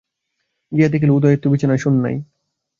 গিয়া দেখিল, উদয়াদিত্য বিছানায় শােন নাই।